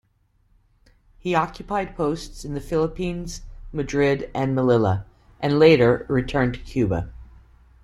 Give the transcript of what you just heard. He occupied posts in the Philippines, Madrid, and Melilla, and later returned to Cuba.